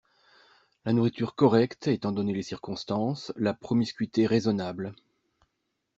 La nourriture correcte étant donné les circonstances, la promiscuité raisonnable.